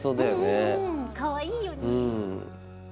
かわいいよね。